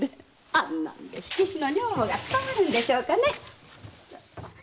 あんなんで火消しの女房が務まるんでしょうかね？